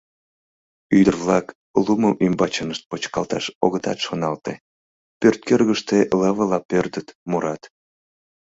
Ӱдыр-влак лумым ӱмбачынышт почкалташ огытат шоналте: пӧрткӧргыштӧ лывыла пӧрдыт, мурат.